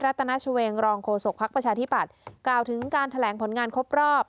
รัฐนาชเวงรองโฆษกภักดิ์ประชาธิปัตย์กล่าวถึงการแถลงผลงานครบรอบ